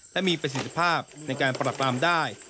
และมีประสิทธิภาพในการปรับปรามได้